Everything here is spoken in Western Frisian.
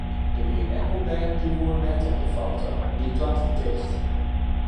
Der wienen ek wol bern dy woenen net op de foto, dy klapten ticht.